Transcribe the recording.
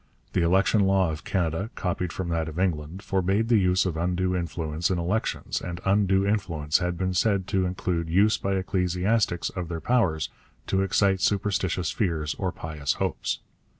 The election law of Canada, copied from that of England, forbade the use of undue influence in elections, and undue influence had been said to include use by ecclesiastics of their powers to excite superstitious fears or pious hopes.